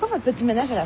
だから。